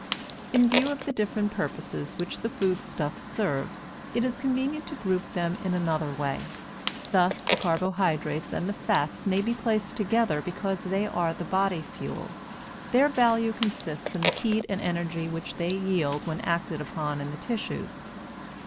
In view of the different purposes which the foodstuffs serve, it is convenient to group them in another way. Thus, the carbohydrates and the fats may be placed together because they are the body fuel; their value consists in the heat and energy which they yield when acted upon in the tissues.